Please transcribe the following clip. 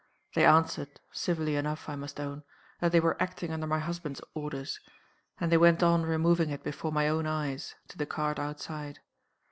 They answered, civilly enough I must own, that they were acting under my husband's orders; and they went on removing it before my own eyes, to the cart outside.